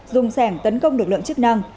dùng sẻng tấn công lực lượng chức năng